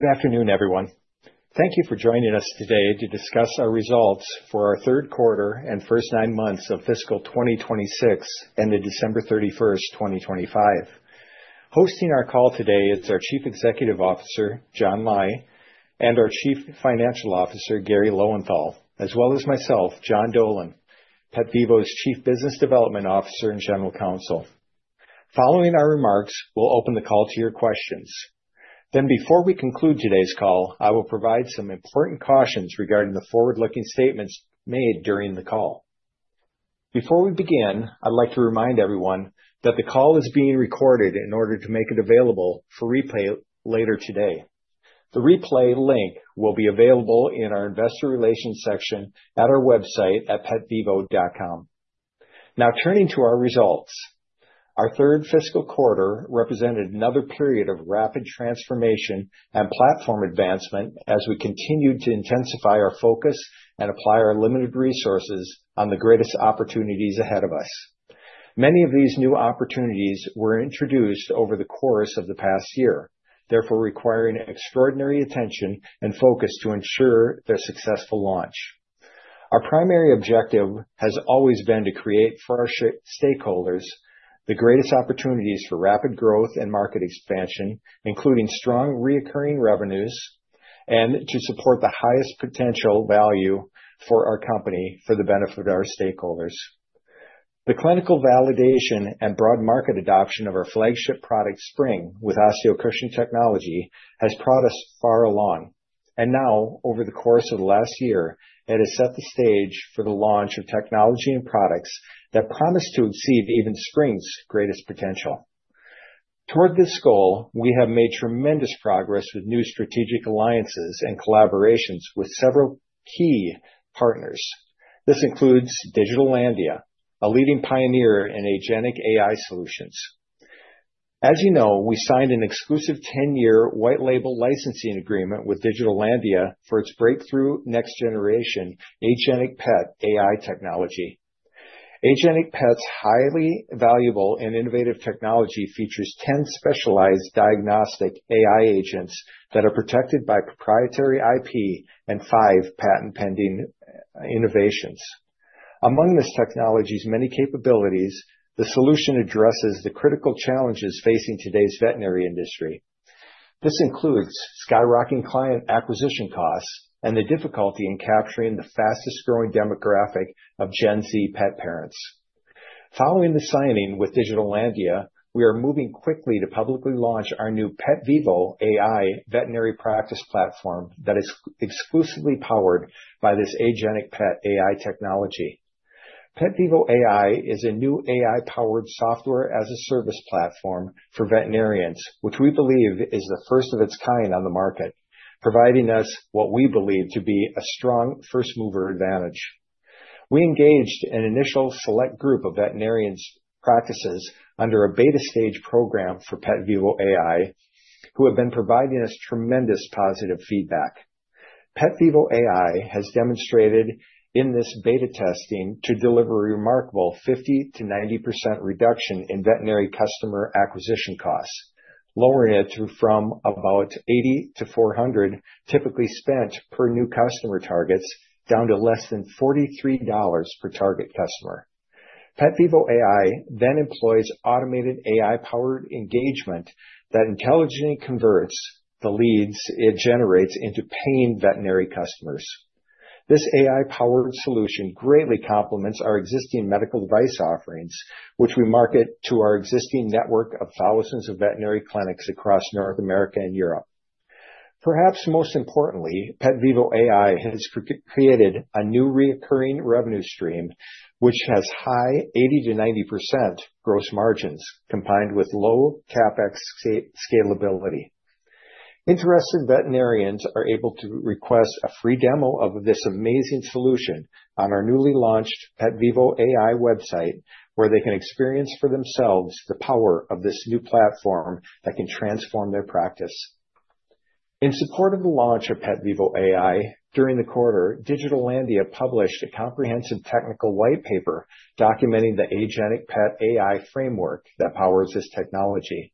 Good afternoon, everyone. Thank you for joining us today to discuss our results for our third quarter and first nine months of fiscal 2026, ended December 31, 2025. Hosting our call today is our Chief Executive Officer, John Lai, and our Chief Financial Officer, Garry Lowenthal, as well as myself, John Dolan, PetVivo's Chief Business Development Officer and General Counsel. Following our remarks, we'll open the call to your questions. Then, before we conclude today's call, I will provide some important cautions regarding the forward-looking statements made during the call. Before we begin, I'd like to remind everyone that the call is being recorded in order to make it available for replay later today. The replay link will be available in our investor relations section at our website at petvivo.com. Now, turning to our results. Our third fiscal quarter represented another period of rapid transformation and platform advancement as we continued to intensify our focus and apply our limited resources on the greatest opportunities ahead of us. Many of these new opportunities were introduced over the course of the past year, therefore requiring extraordinary attention and focus to ensure their successful launch. Our primary objective has always been to create for our shareholders the greatest opportunities for rapid growth and market expansion, including strong recurring revenues, and to support the highest potential value for our company for the benefit of our stakeholders. The clinical validation and broad market adoption of our flagship product, Spryng, with OsteoCushion Technology, has brought us far along, and now over the course of the last year, it has set the stage for the launch of technology and products that promise to exceed even Spryng's greatest potential. Toward this goal, we have made tremendous progress with new strategic alliances and collaborations with several key partners. This includes Digital Landia, a leading pioneer in agentic AI solutions. As you know, we signed an exclusive 10-year white label licensing agreement with Digital Landia for its breakthrough next generation AgenticPet AI technology. AgenticPet's highly valuable and innovative technology features 10 specialized diagnostic AI agents that are protected by proprietary IP and five patent-pending innovations. Among this technology's many capabilities, the solution addresses the critical challenges facing today's veterinary industry. This includes skyrocketing client acquisition costs and the difficulty in capturing the fastest-growing demographic of Gen Z pet parents. Following the signing with Digital Landia, we are moving quickly to publicly launch our new PetVivo AI veterinary practice platform that is exclusively powered by this AgenticPet AI technology. PetVivo AI is a new AI-powered software as a service platform for veterinarians, which we believe is the first of its kind on the market, providing us what we believe to be a strong first-mover advantage. We engaged an initial select group of veterinarians' practices under a beta stage program for PetVivo AI, who have been providing us tremendous positive feedback. PetVivo AI has demonstrated in this beta testing to deliver a remarkable 50%-90% reduction in veterinary customer acquisition costs, lowering it from about $80-$400, typically spent per new customer targets, down to less than $43 per target customer. PetVivo AI then employs automated AI-powered engagement that intelligently converts the leads it generates into paying veterinary customers. This AI-powered solution greatly complements our existing medical device offerings, which we market to our existing network of thousands of veterinary clinics across North America and Europe. Perhaps most importantly, PetVivo AI has created a new reoccurring revenue stream, which has high 80%-90% gross margins, combined with low CapEx scalability. Interested veterinarians are able to request a free demo of this amazing solution on our newly launched PetVivo AI website, where they can experience for themselves the power of this new platform that can transform their practice. In support of the launch of PetVivo AI, during the quarter, Digital Landia published a comprehensive technical white paper documenting the AgenticPet AI framework that powers this technology.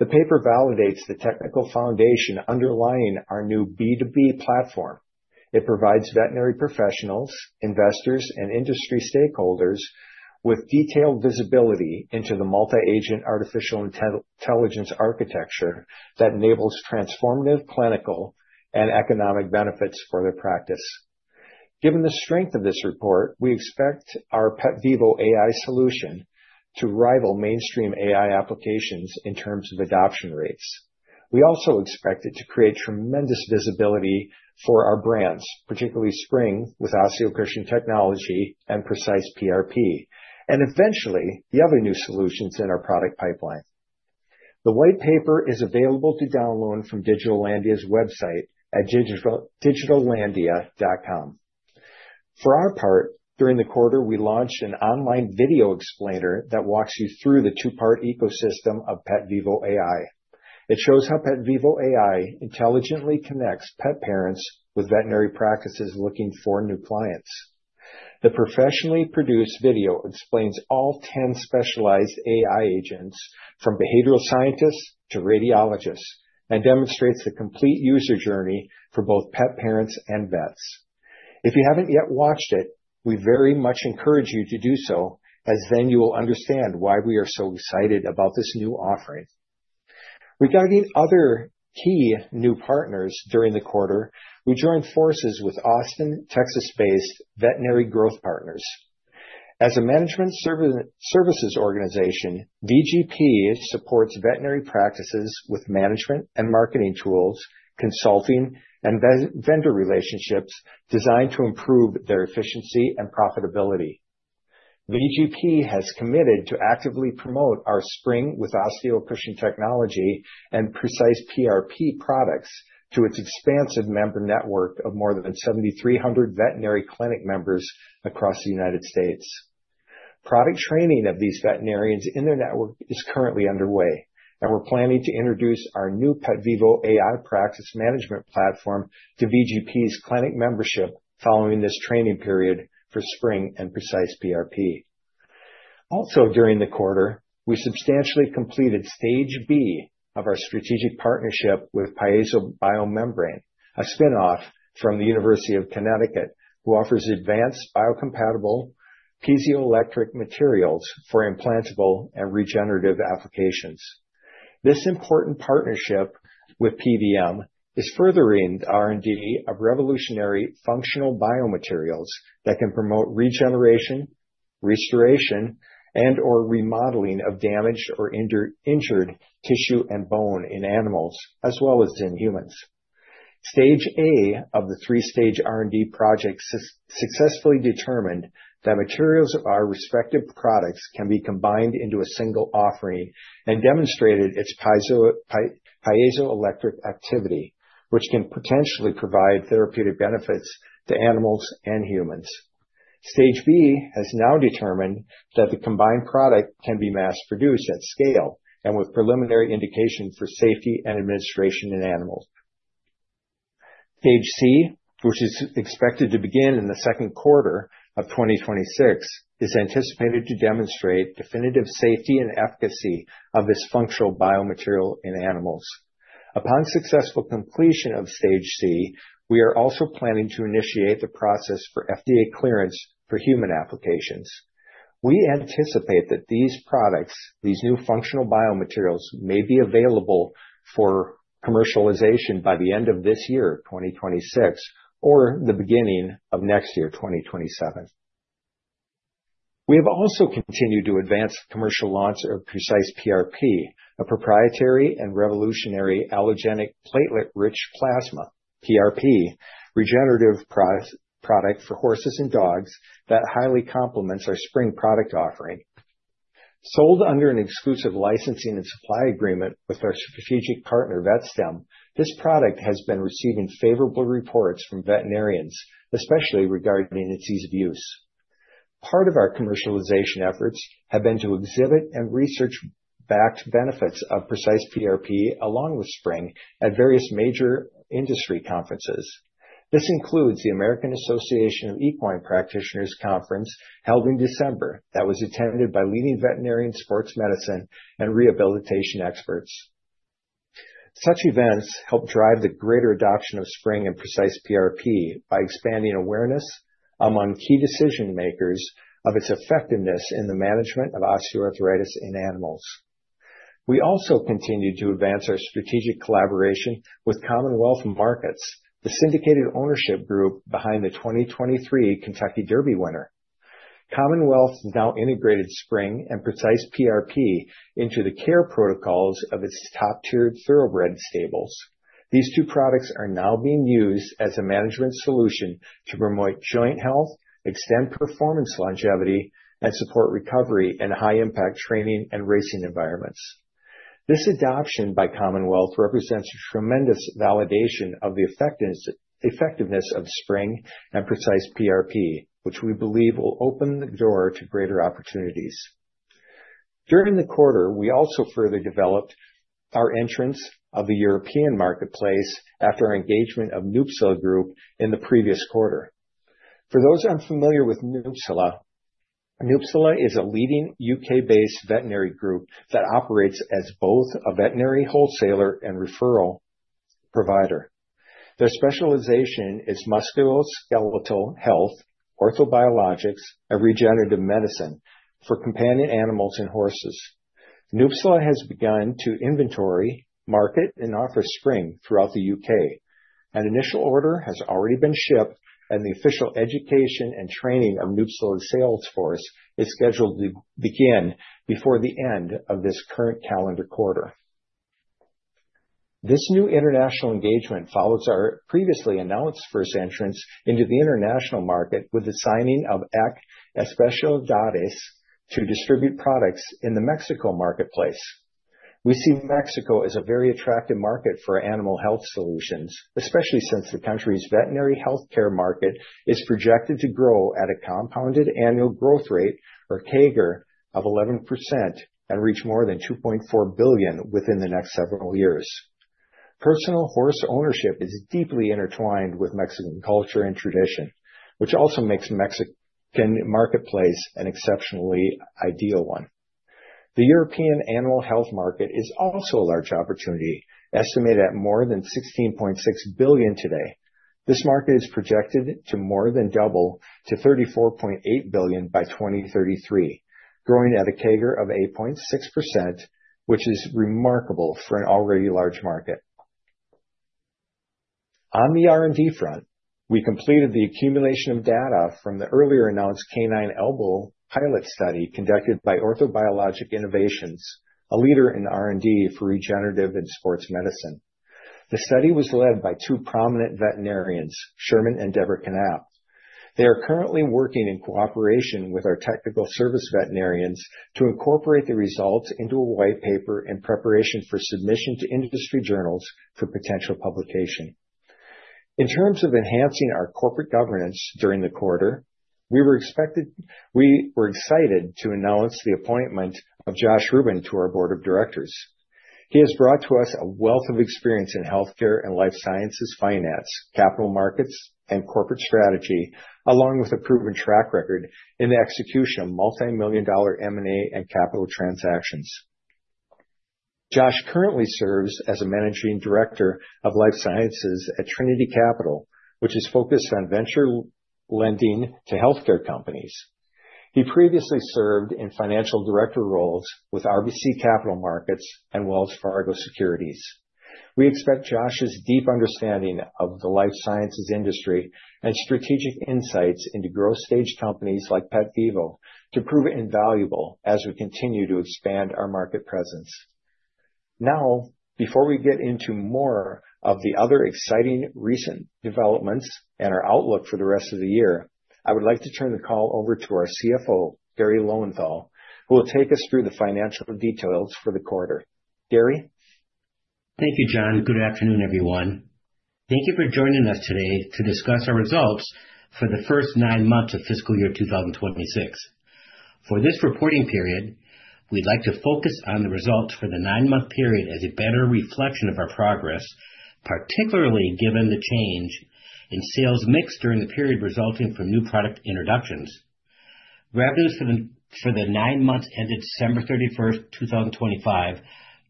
The paper validates the technical foundation underlying our new B2B platform. It provides veterinary professionals, investors, and industry stakeholders with detailed visibility into the multi-agent artificial intelligence architecture that enables transformative, clinical, and economic benefits for their practice. Given the strength of this report, we expect our PetVivo AI solution to rival mainstream AI applications in terms of adoption rates. We also expect it to create tremendous visibility for our brands, particularly Spryng with OsteoCushion technology and PrecisePRP, and eventually, the other new solutions in our product pipeline. The white paper is available to download from Digital Landia's website at digitalandia.com. For our part, during the quarter, we launched an online video explainer that walks you through the two-part ecosystem of PetVivo AI. It shows how PetVivo AI intelligently connects pet parents with veterinary practices looking for new clients.... The professionally produced video explains all ten specialized AI agents, from behavioral scientists to radiologists, and demonstrates the complete user journey for both pet parents and vets. If you haven't yet watched it, we very much encourage you to do so, as then you will understand why we are so excited about this new offering. Regarding other key new partners during the quarter, we joined forces with Austin, Texas-based Veterinary Growth Partners. As a management services organization, VGP supports veterinary practices with management and marketing tools, consulting and vendor relationships designed to improve their efficiency and profitability. VGP has committed to actively promote our Spryng with OsteoCushion technology and PrecisePRP products to its expansive member network of more than 7,300 veterinary clinic members across the United States. Product training of these veterinarians in their network is currently underway, and we're planning to introduce our new PetVivo AI practice management platform to VGP's clinic membership following this training period for Spryng and PrecisePRP. Also, during the quarter, we substantially completed Stage B of our strategic partnership with Piezo BioMembrane, a spinoff from the University of Connecticut, who offers advanced biocompatible, piezoelectric materials for implantable and regenerative applications. This important partnership with PBM is furthering the R&D of revolutionary functional biomaterials that can promote regeneration, restoration, and/or remodeling of damaged or injured tissue and bone in animals, as well as in humans. Stage A of the three-stage R&D project successfully determined that materials of our respective products can be combined into a single offering and demonstrated its piezoelectric activity, which can potentially provide therapeutic benefits to animals and humans. Stage B has now determined that the combined product can be mass-produced at scale and with preliminary indication for safety and administration in animals. Stage C, which is expected to begin in the second quarter of 2026, is anticipated to demonstrate definitive safety and efficacy of this functional biomaterial in animals. Upon successful completion of Stage C, we are also planning to initiate the process for FDA clearance for human applications. We anticipate that these products, these new functional biomaterials, may be available for commercialization by the end of this year, 2026, or the beginning of next year, 2027. We have also continued to advance the commercial launch of PrecisePRP, a proprietary and revolutionary allogeneic platelet-rich plasma, PRP, regenerative product for horses and dogs that highly complements our Spryng product offering. Sold under an exclusive licensing and supply agreement with our strategic partner, VetStem, this product has been receiving favorable reports from veterinarians, especially regarding its ease of use. Part of our commercialization efforts have been to exhibit and research-backed benefits of PrecisePRP, along with Spryng, at various major industry conferences. This includes the American Association of Equine Practitioners Conference, held in December, that was attended by leading veterinarian sports medicine and rehabilitation experts. Such events help drive the greater adoption of Spryng and PrecisePRP by expanding awareness among key decision-makers of its effectiveness in the management of osteoarthritis in animals. We also continued to advance our strategic collaboration with Commonwealth Markets, the syndicated ownership group behind the 2023 Kentucky Derby winner. Commonwealth has now integrated Spryng and PrecisePRP into the care protocols of its top-tiered Thoroughbred stables. These two products are now being used as a management solution to promote joint health, extend performance longevity, and support recovery in high-impact training and racing environments. This adoption by Commonwealth represents a tremendous validation of the effectiveness, effectiveness of Spryng and PrecisePRP, which we believe will open the door to greater opportunities. During the quarter, we also further developed our entrance of the European marketplace after our engagement of Nupsala Group in the previous quarter. For those unfamiliar with Nupsala, Nupsala is a leading U.K.-based veterinary group that operates as both a veterinary wholesaler and referral provider. Their specialization is musculoskeletal health, orthobiologics, and regenerative medicine for companion animals and horses. Nupsala has begun to inventory, market, and offer Spryng throughout the U.K. An initial order has already been shipped, and the official education and training of Nupsala's sales force is scheduled to begin before the end of this current calendar quarter. This new international engagement follows our previously announced first entrance into the international market with the signing of EQ Especialidades to distribute products in the Mexico marketplace. We see Mexico as a very attractive market for animal health solutions, especially since the country's veterinary health care market is projected to grow at a compound annual growth rate, or CAGR, of 11% and reach more than $2.4 billion within the next several years. Personal horse ownership is deeply intertwined with Mexican culture and tradition, which also makes Mexican marketplace an exceptionally ideal one. The European animal health market is also a large opportunity, estimated at more than $16.6 billion today. This market is projected to more than double to $34.8 billion by 2033, growing at a CAGR of 8.6%, which is remarkable for an already large market. On the R&D front, we completed the accumulation of data from the earlier announced canine elbow pilot study conducted by Orthobiologic Innovations, a leader in R&D for regenerative and sports medicine. The study was led by two prominent veterinarians, Sherman and Debra Canapp. They are currently working in cooperation with our technical service veterinarians to incorporate the results into a white paper in preparation for submission to industry journals for potential publication. In terms of enhancing our corporate governance during the quarter, we were excited to announce the appointment of Josh Ruben to our board of directors. He has brought to us a wealth of experience in healthcare and life sciences, finance, capital markets, and corporate strategy, along with a proven track record in the execution of multimillion-dollar M&A and capital transactions. Josh currently serves as a Managing Director of Life Sciences at Trinity Capital, which is focused on venture lending to healthcare companies. He previously served in financial director roles with RBC Capital Markets and Wells Fargo Securities. We expect Josh's deep understanding of the life sciences industry and strategic insights into growth stage companies like PetVivo to prove invaluable as we continue to expand our market presence. Now, before we get into more of the other exciting recent developments and our outlook for the rest of the year, I would like to turn the call over to our CFO, Garry Lowenthal, who will take us through the financial details for the quarter. Garry? Thank you, John. Good afternoon, everyone. Thank you for joining us today to discuss our results for the first nine months of fiscal year 2026. For this reporting period, we'd like to focus on the results for the nine-month period as a better reflection of our progress, particularly given the change in sales mix during the period resulting from new product introductions. Revenues for the nine months ended December 31, 2025,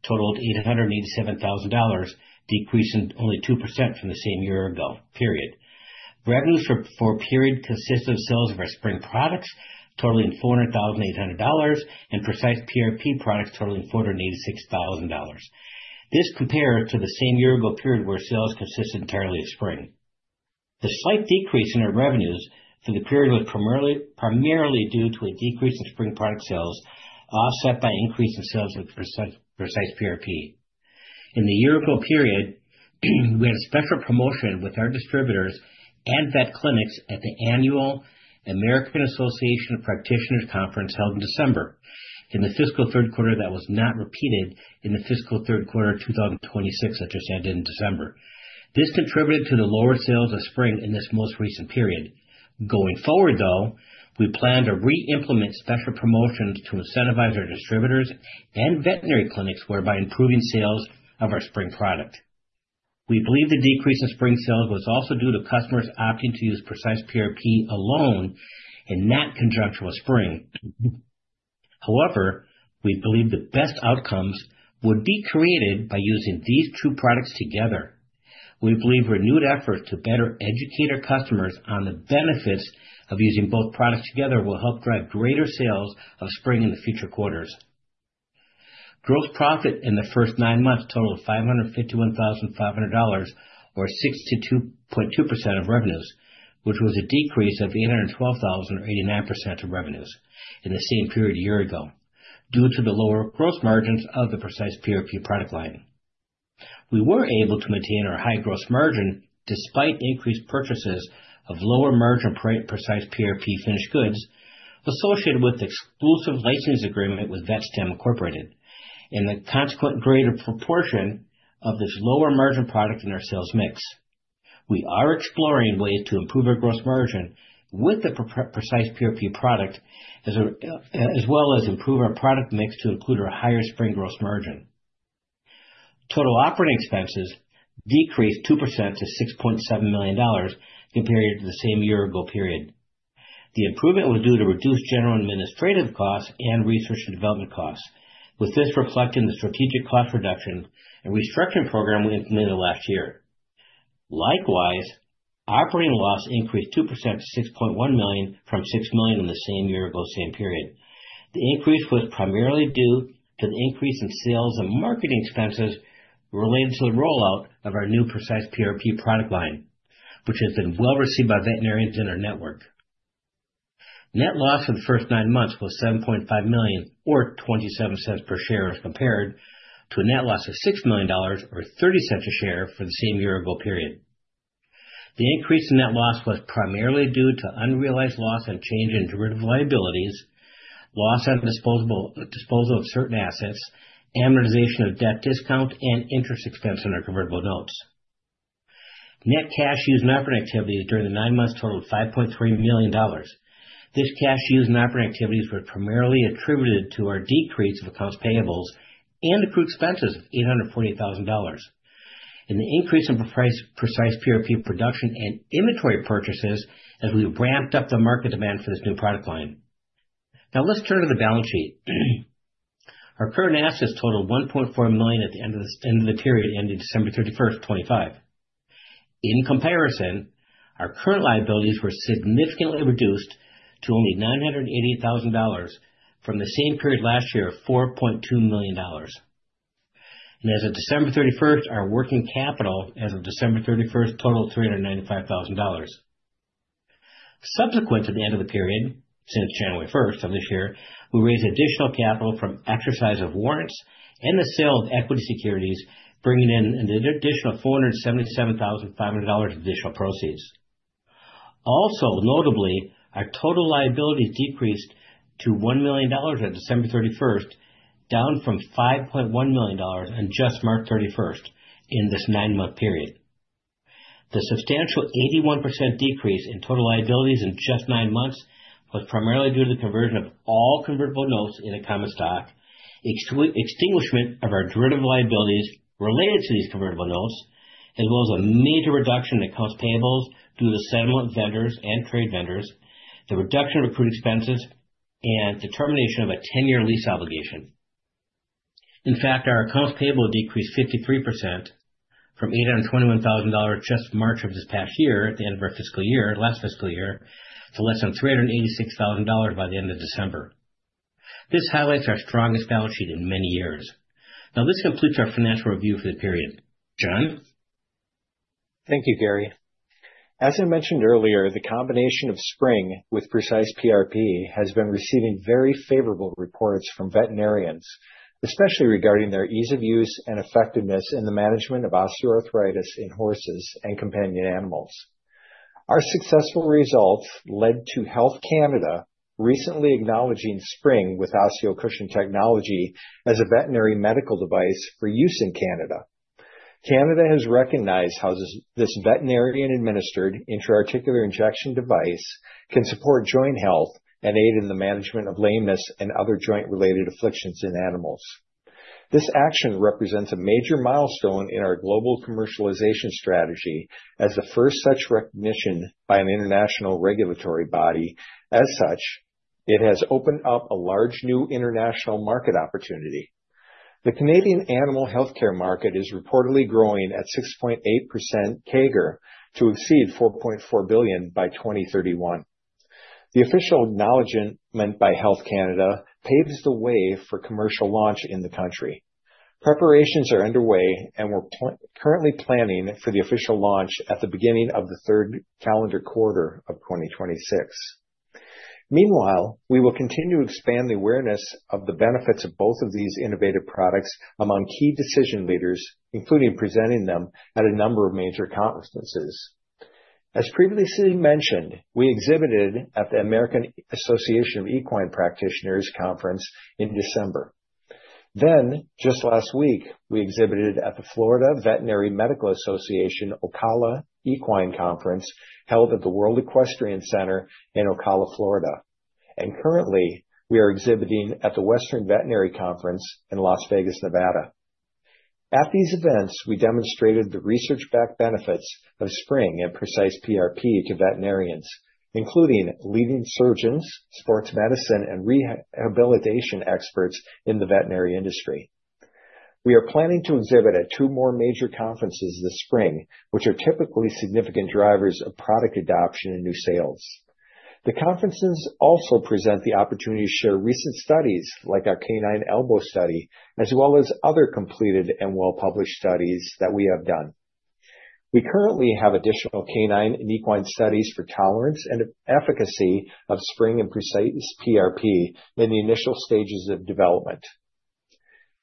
totaled $887,000, decreasing only 2% from the same year ago period. Revenues for a period consisted of sales of our Spryng products totaling $400,800, and PrecisePRP products totaling $486,000. This compared to the same year ago period, where sales consisted entirely of Spryng. The slight decrease in our revenues for the period was primarily due to a decrease in Spryng product sales, offset by increase in sales of PrecisePRP. In the year ago period, we had a special promotion with our distributors and vet clinics at the annual American Association of Equine Practitioners Conference, held in December, in the fiscal third quarter that was not repeated in the fiscal third quarter of 2026, that just ended in December. This contributed to the lower sales of Spryng in this most recent period. Going forward, though, we plan to re-implement special promotions to incentivize our distributors and veterinary clinics, whereby improving sales of our Spryng product. We believe the decrease in Spryng sales was also due to customers opting to use PrecisePRP alone and not in conjunction with Spryng. However, we believe the best outcomes would be created by using these two products together. We believe renewed efforts to better educate our customers on the benefits of using both products together will help drive greater sales of Spryng in the future quarters. Gross profit in the first nine months totaled $551,500, or 62.2% of revenues, which was a decrease of $812,000, or 89% of revenues in the same period a year ago, due to the lower gross margins of the PrecisePRP product line. We were able to maintain our high gross margin despite increased purchases of lower-margin PrecisePRP finished goods associated with the exclusive licensing agreement with VetStem and the consequent greater proportion of this lower-margin product in our sales mix. We are exploring ways to improve our gross margin with the PrecisePRP product, as well as improve our product mix to include our higher Spryng gross margin. Total operating expenses decreased 2% to $6.7 million compared to the same year-ago period. The improvement was due to reduced general and administrative costs and research and development costs, with this reflecting the strategic cost reduction and restructuring program we implemented last year. Likewise, operating loss increased 2% to $6.1 million from $6 million in the same year-ago period. The increase was primarily due to the increase in sales and marketing expenses relating to the rollout of our new PrecisePRP product line, which has been well-received by veterinarians in our network. Net loss for the first nine months was $7.5 million, or 27 cents per share, as compared to a net loss of $6 million, or 30 cents a share for the same year ago period. The increase in net loss was primarily due to unrealized loss and change in derivative liabilities, loss on disposal of certain assets, amortization of debt discount, and interest expense on our convertible notes. Net cash used in operating activities during the nine months totaled $5.3 million. This cash used in operating activities were primarily attributed to our decrease of accounts payable and accrued expenses of $848,000, and the increase in PrecisePRP production and inventory purchases as we ramped up the market demand for this new product line. Now let's turn to the balance sheet. Our current assets totaled $1.4 million at the end of the period, ending December 31, 2025. In comparison, our current liabilities were significantly reduced to only $980,000 from the same period last year of $4.2 million. As of December 31, our working capital as of December 31 totaled $395,000. Subsequent to the end of the period, since January 1 of this year, we raised additional capital from exercise of warrants and the sale of equity securities, bringing in an additional $477,500 additional proceeds. Also, notably, our total liabilities decreased to $1 million on December 31, down from $5.1 million on just March 31 in this nine-month period. The substantial 81% decrease in total liabilities in just nine months was primarily due to the conversion of all convertible notes into common stock, extinguishment of our derivative liabilities related to these convertible notes, as well as a major reduction in accounts payables due to the settlement of vendors and trade vendors, the reduction of accrued expenses, and the termination of a 10-year lease obligation. In fact, our accounts payable decreased 53% from $821,000 just March of this past year, at the end of our fiscal year, last fiscal year, to less than $386,000 by the end of December. This highlights our strongest balance sheet in many years. Now, this concludes our financial review for the period. John? Thank you, Garry. As I mentioned earlier, the combination of Spryng with PrecisePRP has been receiving very favorable reports from veterinarians, especially regarding their ease of use and effectiveness in the management of osteoarthritis in horses and companion animals. Our successful results led to Health Canada recently acknowledging Spryng with OsteoCushion technology as a veterinary medical device for use in Canada. Canada has recognized how this veterinarian-administered intra-articular injection device can support joint health and aid in the management of lameness and other joint-related afflictions in animals. This action represents a major milestone in our global commercialization strategy as the first such recognition by an international regulatory body. As such, it has opened up a large new international market opportunity. The Canadian animal healthcare market is reportedly growing at 6.8% CAGR to exceed $4.4 billion by 2031. The official acknowledgment by Health Canada paves the way for commercial launch in the country. Preparations are underway, and we're currently planning for the official launch at the beginning of the third calendar quarter of 2026. Meanwhile, we will continue to expand the awareness of the benefits of both of these innovative products among key decision leaders, including presenting them at a number of major conferences. As previously mentioned, we exhibited at the American Association of Equine Practitioners Conference in December. Then, just last week, we exhibited at the Florida Veterinary Medical Association, Ocala Equine Conference, held at the World Equestrian Center in Ocala, Florida. And currently, we are exhibiting at the Western Veterinary Conference in Las Vegas, Nevada. At these events, we demonstrated the research-backed benefits of Spryng and PrecisePRP to veterinarians, including leading surgeons, sports medicine, and rehabilitation experts in the veterinary industry. We are planning to exhibit at two more major conferences this spring, which are typically significant drivers of product adoption and new sales. The conferences also present the opportunity to share recent studies, like our canine elbow study, as well as other completed and well-published studies that we have done. We currently have additional canine and equine studies for tolerance and efficacy of Spryng and PrecisePRP in the initial stages of development.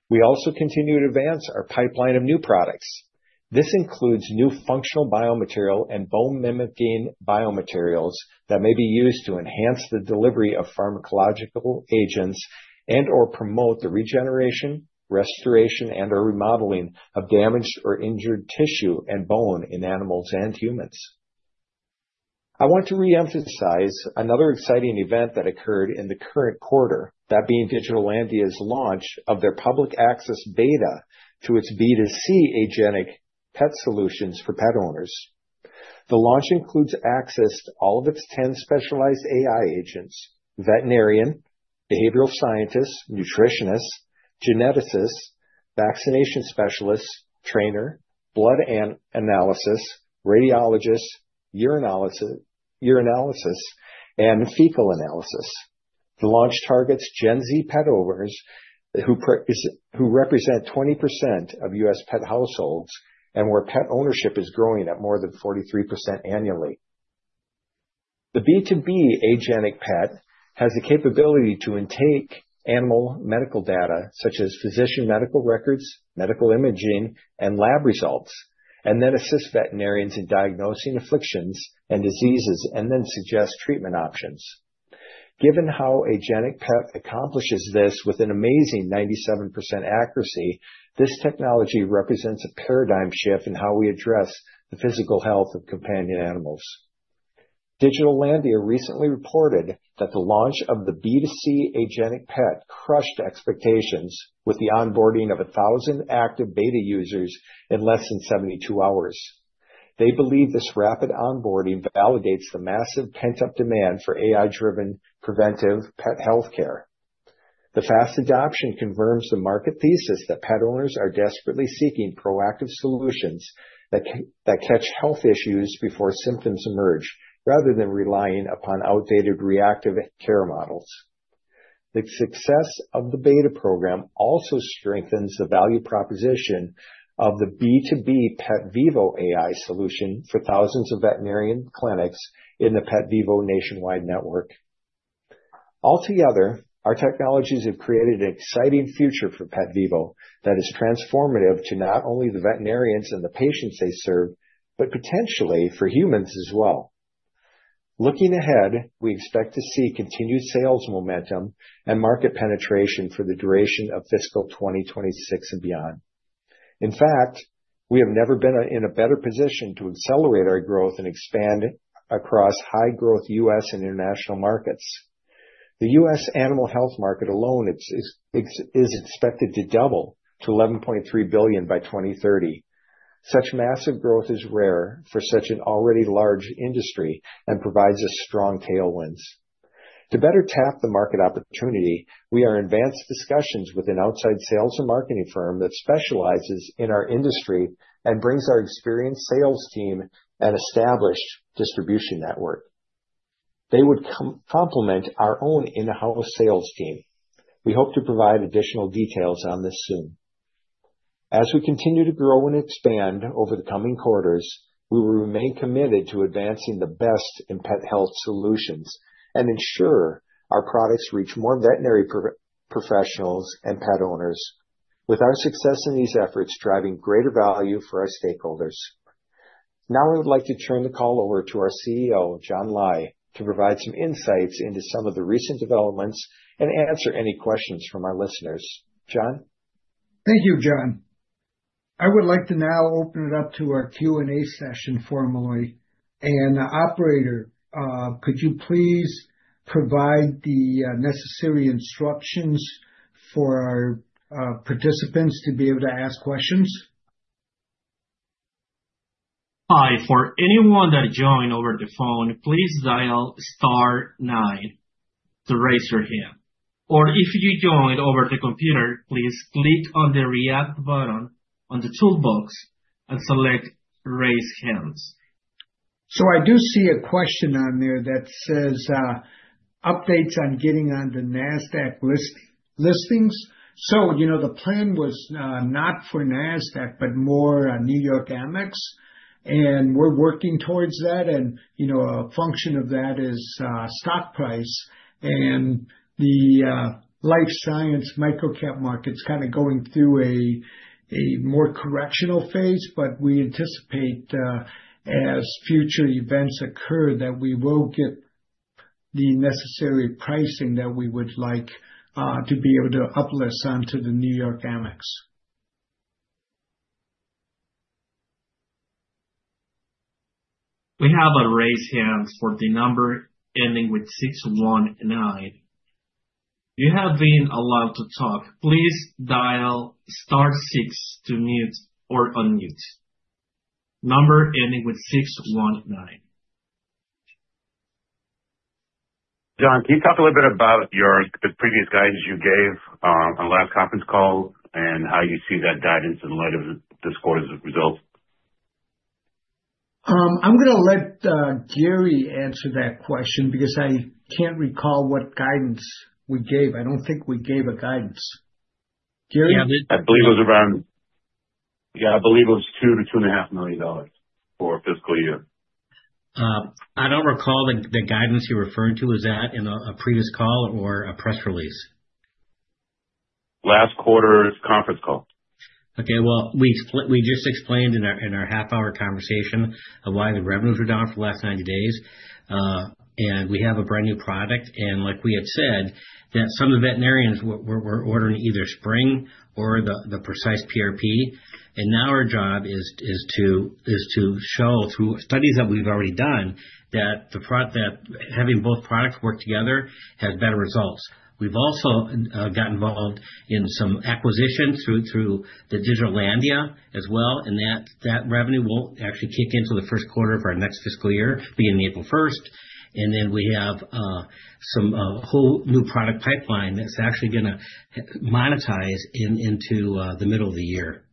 We also continue to advance our pipeline of new products. This includes new functional biomaterial and bone-mimicking biomaterials that may be used to enhance the delivery of pharmacological agents and/or promote the regeneration, restoration, and/or remodeling of damaged or injured tissue and bone in animals and humans. I want to reemphasize another exciting event that occurred in the current quarter, that being Digital Landia's launch of their public access beta to its B2C AgenticPet solutions for pet owners. The launch includes access to all of its 10 specialized AI agents, veterinarian, behavioral scientists, nutritionists, geneticists, vaccination specialists, trainer, blood analysis, radiologists, urinalysis, and fecal analysis. The launch targets Gen Z pet owners who who represent 20% of U.S. pet households and where pet ownership is growing at more than 43% annually. The B2B AgenticPet has the capability to intake animal medical data, such as physician medical records, medical imaging, and lab results, and then assist veterinarians in diagnosing afflictions and diseases, and then suggest treatment options. Given how AgenticPet accomplishes this with an amazing 97% accuracy, this technology represents a paradigm shift in how we address the physical health of companion animals. Digital Landia recently reported that the launch of the B2C AgenticPet crushed expectations, with the onboarding of 1,000 active beta users in less than 72 hours. They believe this rapid onboarding validates the massive pent-up demand for AI-driven preventive pet healthcare. The fast adoption confirms the market thesis that pet owners are desperately seeking proactive solutions that that catch health issues before symptoms emerge, rather than relying upon outdated reactive care models. The success of the beta program also strengthens the value proposition of the B2B PetVivo.ai solution for thousands of veterinarian clinics in the PetVivo nationwide network. Altogether, our technologies have created an exciting future for PetVivo that is transformative to not only the veterinarians and the patients they serve, but potentially for humans as well. Looking ahead, we expect to see continued sales momentum and market penetration for the duration of fiscal 2026 and beyond. In fact, we have never been in a better position to accelerate our growth and expand across high-growth U.S. and international markets. The U.S. animal health market alone is expected to double to $11.3 billion by 2030. Such massive growth is rare for such an already large industry and provides us strong tailwinds. To better tap the market opportunity, we are in advanced discussions with an outside sales and marketing firm that specializes in our industry and brings our experienced sales team an established distribution network. They would complement our own in-house sales team. We hope to provide additional details on this soon. As we continue to grow and expand over the coming quarters, we will remain committed to advancing the best in pet health solutions and ensure our products reach more veterinary professionals and pet owners, with our success in these efforts driving greater value for our stakeholders. Now, I would like to turn the call over to our CEO, John Lai, to provide some insights into some of the recent developments and answer any questions from our listeners. John? Thank you, John. I would like to now open it up to our Q&A session formally. And, operator, could you please provide the necessary instructions for our participants to be able to ask questions? Hi. For anyone that joined over the phone, please dial star nine to raise your hand. Or if you joined over the computer, please click on the React button on the toolbox and select Raise Hands. So I do see a question on there that says, updates on getting on the NASDAQ listings. So, you know, the plan was, not for NASDAQ, but more on New York AMEX, and we're working towards that. And, you know, a function of that is, stock price, and the, life science microcap market's kind of going through a more correctional phase, but we anticipate, as future events occur, that we will get the necessary pricing that we would like, to be able to uplist onto the New York AMEX. We have a raise hand for the number ending with six one nine. You have been allowed to talk. Please dial star six to mute or unmute. Number ending with six one nine. John, can you talk a little bit about the previous guidance you gave on last conference call and how you see that guidance in light of the quarter's results? I'm gonna let Garry answer that question because I can't recall what guidance we gave. I don't think we gave a guidance. Garry, did- I believe it was around... Yeah, I believe it was $2 million-$2.5 million for fiscal year. I don't recall the guidance you're referring to. Was that in a previous call or a press release? Last quarter's conference call. Okay. Well, we just explained in our half-hour conversation why the revenues were down for the last 90 days. And we have a brand new product, and like we had said, that some of the veterinarians were ordering either Spryng or the PrecisePRP. And now our job is to show through studies that we've already done, that having both products work together has better results. We've also got involved in some acquisitions through Digital Landia as well, and that revenue won't actually kick in till the first quarter of our next fiscal year, beginning April first. And then we have some whole new product pipeline that's actually gonna monetize into the middle of the year.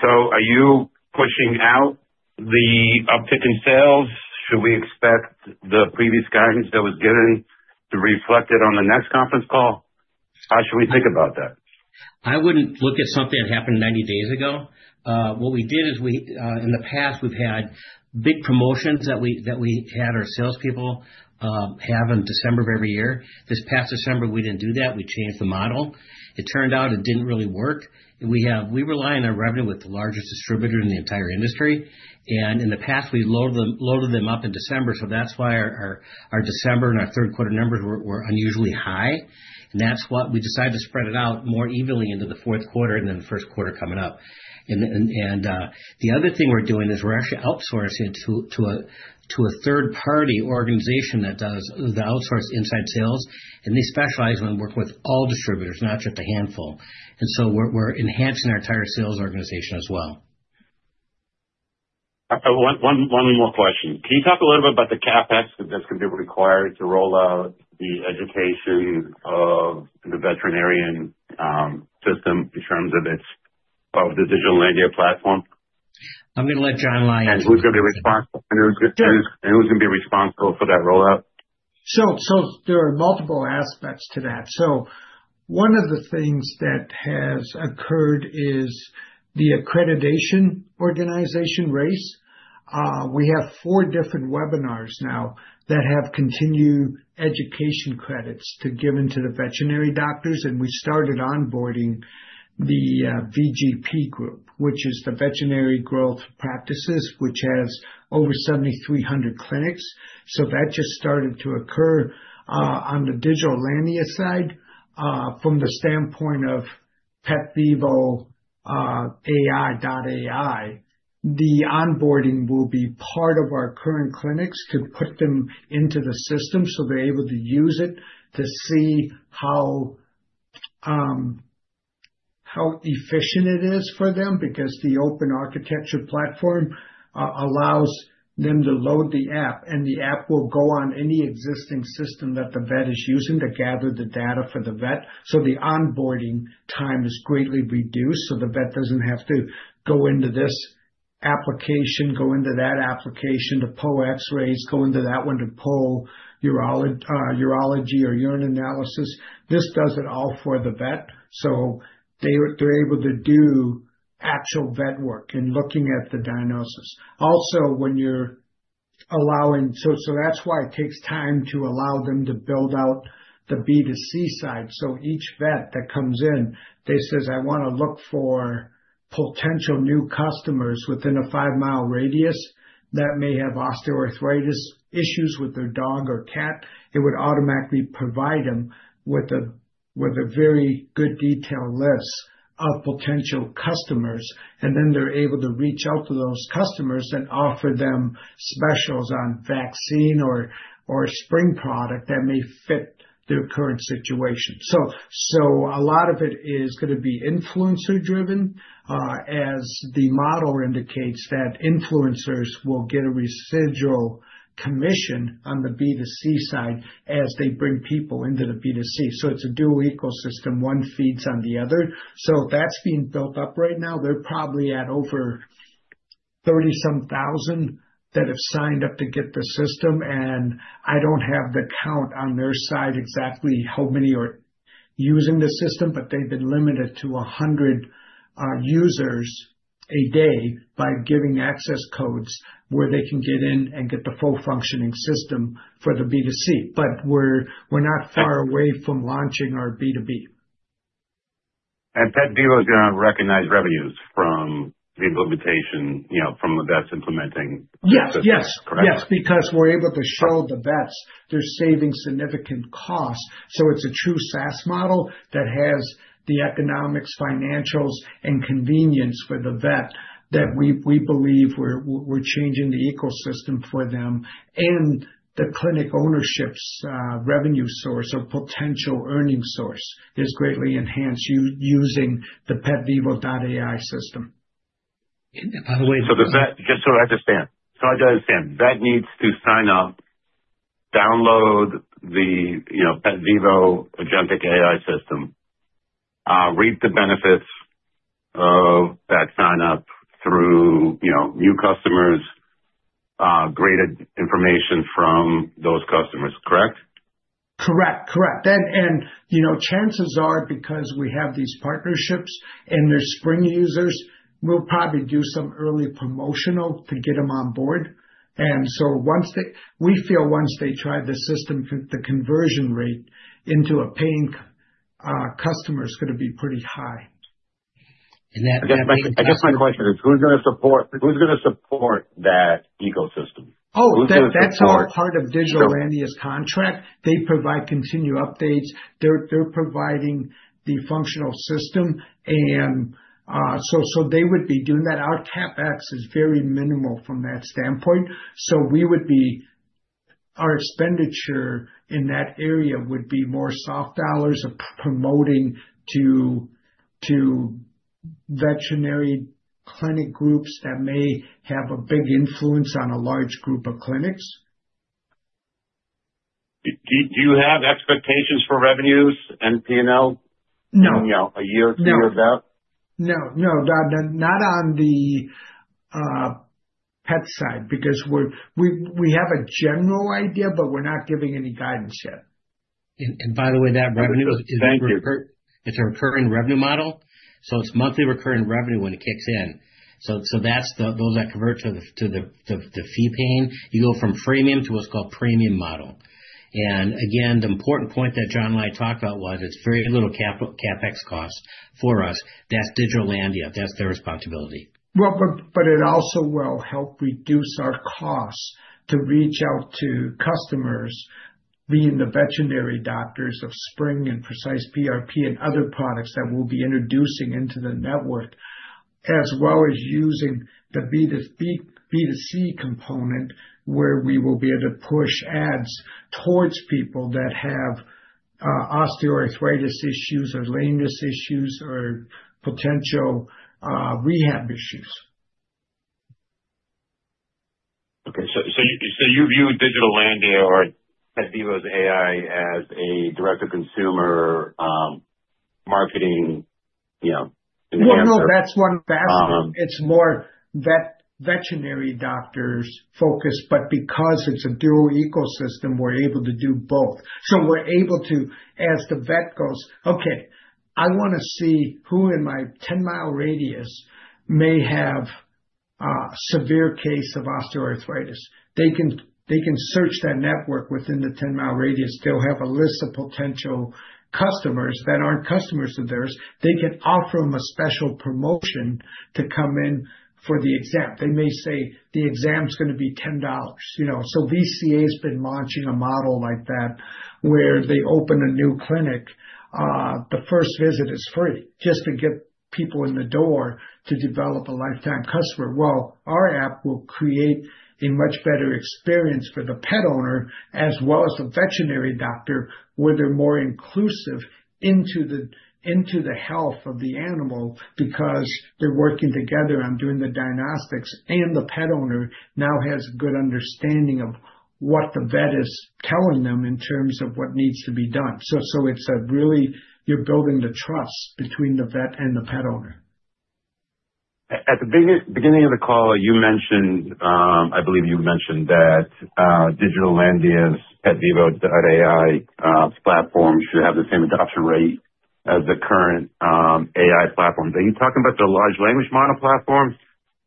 So, are you pushing out the uptick in sales? Should we expect the previous guidance that was given to reflect it on the next conference call? How should we think about that? I wouldn't look at something that happened 90 days ago. What we did is we, in the past, we've had big promotions that we, that we had our salespeople have in December of every year. This past December, we didn't do that. We changed the model. It turned out it didn't really work, and we rely on our revenue with the largest distributor in the entire industry, and in the past, we loaded them, loaded them up in December, so that's why our December and our third quarter numbers were unusually high. And that's what we decided to spread it out more evenly into the fourth quarter and then the first quarter coming up. The other thing we're doing is we're actually outsourcing to a third party organization that does the outsource inside sales, and they specialize and work with all distributors, not just a handful. So we're enhancing our entire sales organization as well. One more question. Can you talk a little bit about the CapEx that's going to be required to roll out the education of the veterinarian system in terms of its of the Digital Landia platform? I'm going to let John Lai- And who's going to be responsible? And who, and who's going to be responsible for that rollout? So, there are multiple aspects to that. So one of the things that has occurred is the accreditation organization RACE. We have four different webinars now that have continuing education credits to give into the veterinary doctors, and we started onboarding the VGP group, which is the Veterinary Growth Partners, which has over 7,300 clinics. So that just started to occur. On the Digital Landia side, from the standpoint of PetVivo.ai, the onboarding will be part of our current clinics to put them into the system, so they're able to use it to see how efficient it is for them, because the open architecture platform allows them to load the app, and the app will go on any existing system that the vet is using to gather the data for the vet. So the onboarding time is greatly reduced, so the vet doesn't have to go into this application, go into that application to pull X-rays, go into that one to pull urology, urology or urine analysis. This does it all for the vet, so they're, they're able to do actual vet work in looking at the diagnosis. Also, when you're allowing, so, so that's why it takes time to allow them to build out the B2C side. So each vet that comes in, they says: I want to look for potential new customers within a five-mile radius that may have osteoarthritis issues with their dog or cat. It would automatically provide them with a very good detailed list of potential customers, and then they're able to reach out to those customers and offer them specials on vaccine or Spryng product that may fit their current situation. So a lot of it is going to be influencer driven, as the model indicates that influencers will get a residual commission on the B2C side as they bring people into the B2C. So it's a dual ecosystem. One feeds on the other. So that's being built up right now. They're probably at over 30-some thousand that have signed up to get the system, and I don't have the count on their side, exactly how many are using the system, but they've been limited to 100 users a day by giving access codes where they can get in and get the full functioning system for the B2C. But we're not far away from launching our B2B. PetVivo is going to recognize revenues from the implementation, you know, from the vets implementing? Yes. Yes. Correct. Yes, because we're able to show the vets they're saving significant costs. So it's a true SaaS model that has the economics, financials, and convenience for the vet that we believe we're changing the ecosystem for them. And the clinic ownership's revenue source or potential earning source is greatly enhanced using the PetVivo.ai system. By the way- So the vet, just so I understand, vet needs to sign up, download the, you know, PetVivo Agentic AI system, reap the benefits of that sign-up through, you know, new customers, greater information from those customers, correct? Correct. Correct. And, and, you know, chances are, because we have these partnerships and they're Spryng users, we'll probably do some early promotional to get them on board. And so once they... We feel once they try the system, the conversion rate into a paying customer is going to be pretty high. And that makes- I guess my question is, who's going to support, who's going to support that ecosystem? Oh, that- Who's going to support- That's all part of Digital Landia's contract. They provide continued updates. They're providing the functional system, and so they would be doing that. Our CapEx is very minimal from that standpoint. So we would be, our expenditure in that area would be more soft dollars of promoting to veterinary clinic groups that may have a big influence on a large group of clinics. Do you have expectations for revenues and PNL? No. You know, a year, year or so? No, no, not, not, not on the pet side, because we have a general idea, but we're not giving any guidance yet. And by the way, that revenue is- Thank you. It's a recurring revenue model, so it's monthly recurring revenue when it kicks in. So that's the those that convert to the fee paying. You go from freemium to what's called premium model. And again, the important point that John and I talked about was it's very little capital, CapEx costs for us. That's Digital Landia, that's their responsibility. Well, but, but it also will help reduce our costs to reach out to customers, being the veterinary doctors of Spryng and PrecisePRP and other products that we'll be introducing into the network, as well as using the B2B, B2C component, where we will be able to push ads towards people that have, osteoarthritis issues or lameness issues or potential, rehab issues. Okay, so you view Digital Landia or PetVivo.ai as a direct-to-consumer, marketing, you know, enhancer? No, no, that's one aspect. Um. It's more veterinary doctors focused, but because it's a dual ecosystem, we're able to do both. So we're able to, as the vet goes, "Okay, I wanna see who in my 10-mile radius may have a severe case of osteoarthritis." They can, they can search that network within the 10-mile radius. They'll have a list of potential customers that aren't customers of theirs. They can offer them a special promotion to come in for the exam. They may say, "The exam's gonna be $10," you know? So VCA's been launching a model like that, where they open a new clinic, the first visit is free, just to get people in the door to develop a lifetime customer. Well, our app will create a much better experience for the pet owner as well as the veterinary doctor, where they're more inclusive into the health of the animal, because they're working together on doing the diagnostics, and the pet owner now has a good understanding of what the vet is telling them in terms of what needs to be done. So, it's a really. You're building the trust between the vet and the pet owner. At the beginning of the call, you mentioned, I believe you mentioned that, Digital Landia's PetVivo.ai platform should have the same adoption rate as the current AI platform. Are you talking about the large language model platforms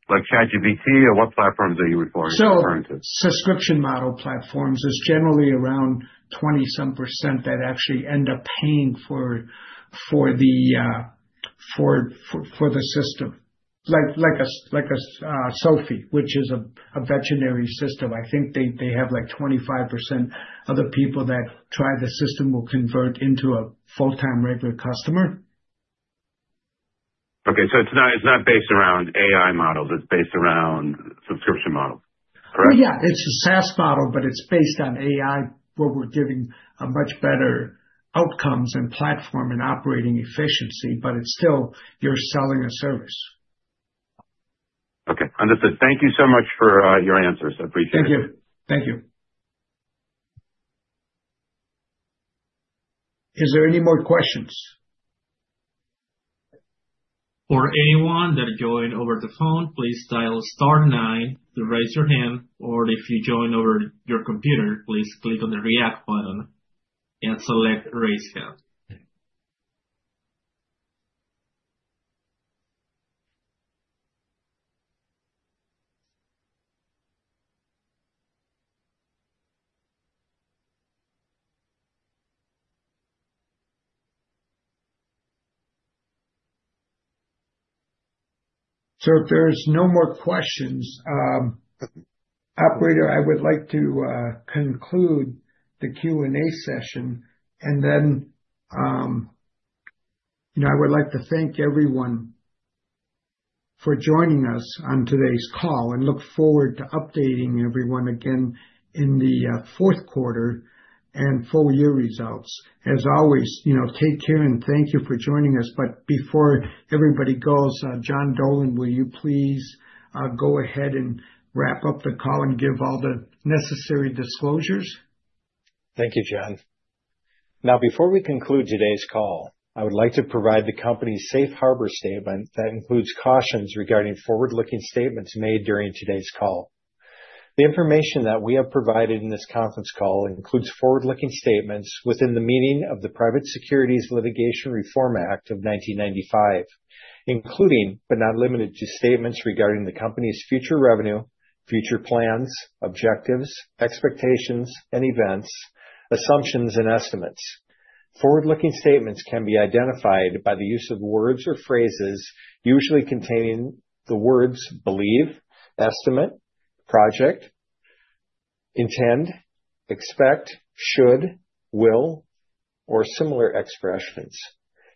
like ChatGPT, or what platforms are you referring to? So subscription model platforms is generally around 20-some% that actually end up paying for the system. Like a Sofie, which is a veterinary system. I think they have, like, 25% of the people that try the system will convert into a full-time, regular customer. Okay, so it's not, it's not based around AI models, it's based around subscription models, correct? Well, yeah, it's a SaaS model, but it's based on AI, where we're giving a much better outcomes and platform and operating efficiency, but it's still you're selling a service. Okay, understood. Thank you so much for your answers. I appreciate it. Thank you. Thank you. Is there any more questions? For anyone that joined over the phone, please dial star nine to raise your hand, or if you joined over your computer, please click on the React button and select Raise Hand. So if there's no more questions, operator, I would like to conclude the Q&A session and then, you know, I would like to thank everyone for joining us on today's call, and look forward to updating everyone again in the fourth quarter and full year results. As always, you know, take care, and thank you for joining us. But before everybody goes, John Dolan, will you please go ahead and wrap up the call and give all the necessary disclosures? Thank you, John. Now, before we conclude today's call, I would like to provide the company's Safe Harbor statement that includes cautions regarding forward-looking statements made during today's call. The information that we have provided in this conference call includes forward-looking statements within the meaning of the Private Securities Litigation Reform Act of 1995, including, but not limited to, statements regarding the company's future revenue, future plans, objectives, expectations and events, assumptions, and estimates. Forward-looking statements can be identified by the use of words or phrases, usually containing the words "believe," "estimate," "project," "intend," "expect," "should," "will," or similar expressions.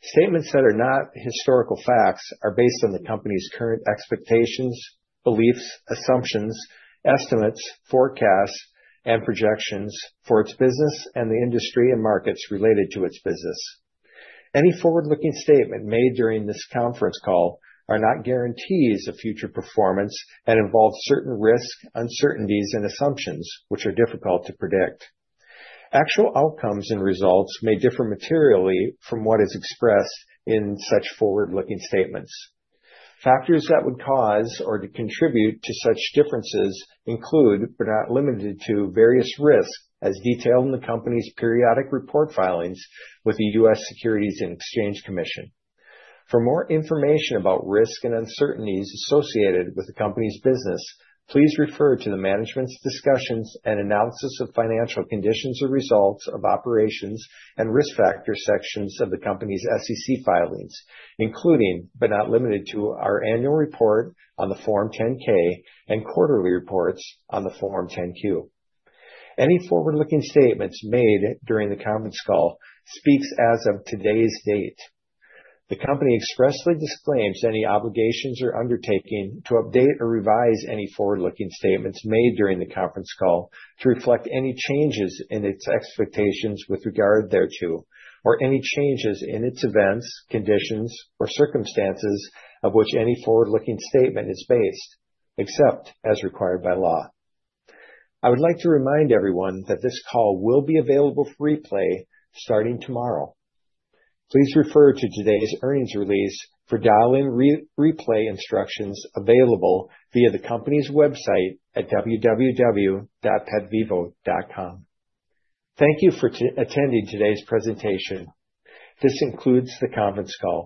Statements that are not historical facts are based on the company's current expectations, beliefs, assumptions, estimates, forecasts, and projections for its business and the industry and markets related to its business. Any forward-looking statement made during this conference call are not guarantees of future performance and involve certain risks, uncertainties, and assumptions which are difficult to predict. Actual outcomes and results may differ materially from what is expressed in such forward-looking statements. Factors that would cause or contribute to such differences include, but are not limited to, various risks as detailed in the company's periodic report filings with the U.S. Securities and Exchange Commission. For more information about risks and uncertainties associated with the company's business, please refer to the management's discussion and analysis of financial condition and results of operations and risk factor sections of the company's SEC filings, including, but not limited to, our annual report on the Form 10-K and quarterly reports on the Form 10-Q. Any forward-looking statements made during the conference call speak as of today's date. The company expressly disclaims any obligations or undertaking to update or revise any forward-looking statements made during the conference call to reflect any changes in its expectations with regard thereto, or any changes in its events, conditions, or circumstances of which any forward-looking statement is based, except as required by law. I would like to remind everyone that this call will be available for replay starting tomorrow. Please refer to today's earnings release for dial-in replay instructions available via the company's website at www.petvivo.com. Thank you for attending today's presentation. This concludes the conference call.